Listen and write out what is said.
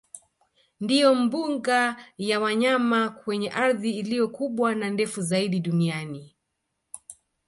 Ndiyo mbuga ya wanyama kwenye ardhi iliyo kubwa na ndefu zaidi duniani